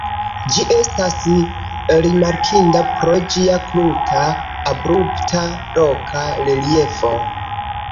Ĝi estas rimarkinda pro ĝia kruta, abrupta loka reliefo.